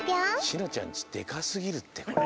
しのちゃんちでかすぎるって。